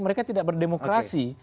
mereka tidak berdemokrasi